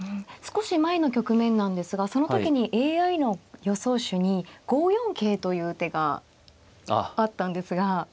少し前の局面なんですがその時にＡＩの予想手に５四桂という手があったんですが。